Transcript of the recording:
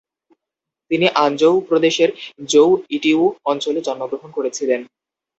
তিনি আনজৌ প্রদেশের জৌ-ইটিউ অঞ্চলে জন্মগ্রহণ করেছিলেন।